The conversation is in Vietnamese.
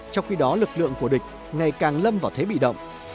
trong khi đó lực lượng của địch ngày càng lâm vào thế bị động